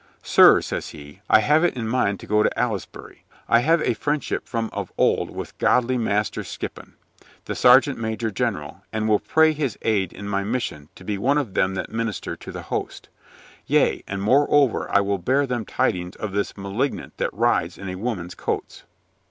"Sir," says he, "I have it in mind to go to Aylesbury. I have a friendship from of old with godly Master THE INSPIRATION OF COLONEL STOW 29 Skippon, the sergeant major general, and will pray his aid in my mission to be one of them that minister to the host Yea, and moreover, I will bear them tidings of this malignant that rides in a woman's coats."